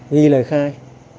ghi lời khai